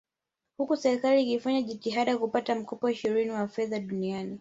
Huku serikali ikifanya jitihada kupata mkopo Shirika la Fedha Duniani